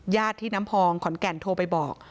ญาติที่น้ำพองขอนแก่นโทรไปบอก